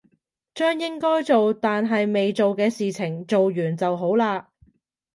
將應該做但係未做嘅事情做完就好啦